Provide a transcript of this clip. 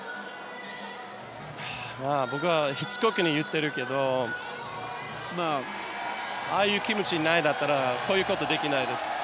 僕はしつこく言ってるけどああいう気持ちがなかったらこういうことできないです。